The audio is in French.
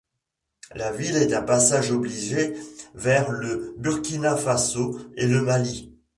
La ville est un passage obligé vers le Burkina Faso et le Mali.